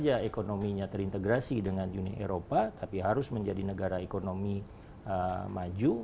jika ekonominya terintegrasi dengan uni eropa tapi harus menjadi negara ekonomi maju